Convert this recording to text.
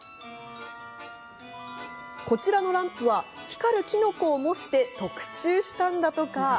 こちらのランプは光るキノコを模して特注したんだとか。